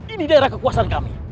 ini daerah kekuasaan kami